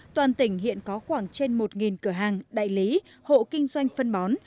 đồng thời kiểm tra xem xét nguyên nhân xảy ra tình trạng này